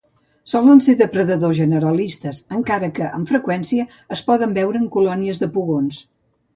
Solen ser depredadors generalistes, encara que amb freqüència es poden veure en colònies de pugons.